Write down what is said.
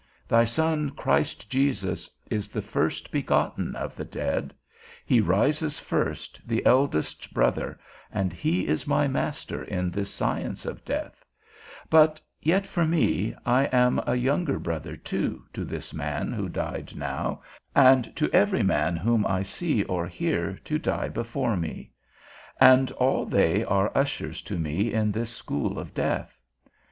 Thy Son Christ Jesus is the first begotten of the dead; he rises first, the eldest brother, and he is my master in this science of death; but yet, for me, I am a younger brother too, to this man who died now, and to every man whom I see or hear to die before me, and all they are ushers to me in this school of death.